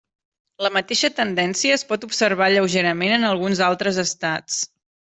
La mateixa tendència es pot observar lleugerament en alguns altres estats.